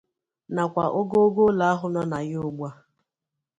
nakwa ogoogo ụlọ ahụ nọ na ya ugbua